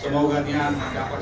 syabat yang indah di kemudian hari